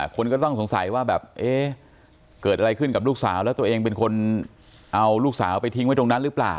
คนก็ต้องสงสัยว่าแบบเอ๊ะเกิดอะไรขึ้นกับลูกสาวแล้วตัวเองเป็นคนเอาลูกสาวไปทิ้งไว้ตรงนั้นหรือเปล่า